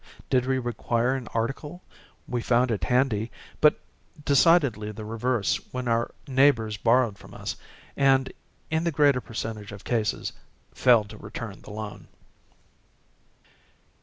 Did we require an article, we found it handy, but decidedly the reverse when our neighbours borrowed from us, and, in the greater percentage of cases, failed to return the loan.